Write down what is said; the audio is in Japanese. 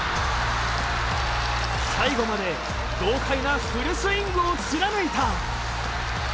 最後まで豪快なフルスイングを貫いた。